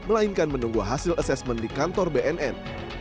melainkan menunggu hasil asesmen di kantor bnn